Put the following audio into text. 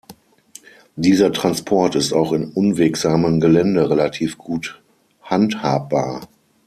Dieser Transport ist auch in unwegsamem Gelände relativ gut handhabbar.